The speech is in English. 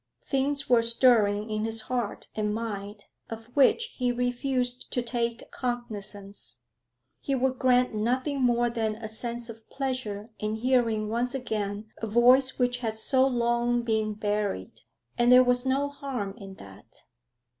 Things were stirring in his heart and mind of which he refused to take cognisance; he would grant nothing more than a sense of pleasure in hearing once again a voice which had so long been buried, and there was no harm in that.